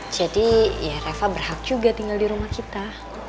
jadi ya reva berhak juga tinggal di rumah kita